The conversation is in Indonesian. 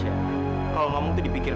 mencegah dia menjadikan kilik ini